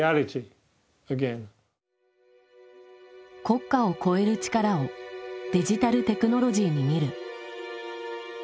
「国家」を超える力をデジタルテクノロジーに見る。